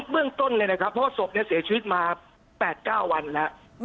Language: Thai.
เบื้องต้นเพราะว่าศพเสียชีวิตมา๘๙วันแล้ว